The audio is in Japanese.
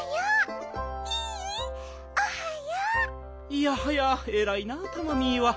いやはやえらいなタマミーは。